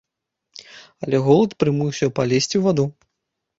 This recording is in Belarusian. Але голад прымусіў палезці ў ваду.